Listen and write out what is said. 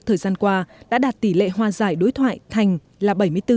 thời gian qua đã đạt tỷ lệ hòa giải đối thoại thành là bảy mươi bốn